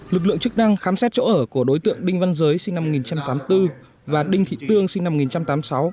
lực lượng chức năng khám xét chỗ ở của đối tượng đinh văn giới sinh năm một nghìn chín trăm tám mươi bốn và đinh thị tương sinh năm một nghìn chín trăm tám mươi sáu